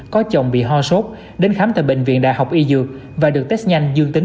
có chồng bị ho sốt đến khám tại bệnh viện đại học y dược và được test nhanh dương tính